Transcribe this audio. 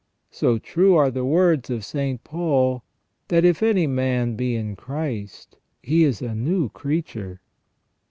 So true are the words of St. Paul, that " if any man be in Christ, he is a new creature